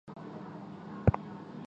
映射出闪烁的双眼